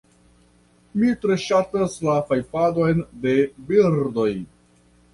Mi tre ŝatas la fajfadon de birdoj.